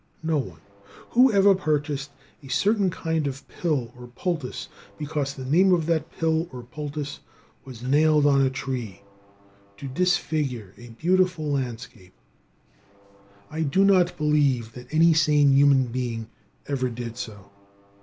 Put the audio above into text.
No one. Who ever purchased a certain kind of pill or poultice because the name of that pill or poultice was nailed on a tree to disfigure a beautiful landscape? I do not believe that any sane human being ever did so.